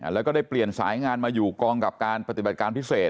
แล้วก็ได้เปลี่ยนสายงานมาอยู่กองกับการปฏิบัติการพิเศษ